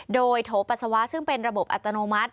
โดยโถปัสสาวะซึ่งเป็นระบบอัตโนมัติ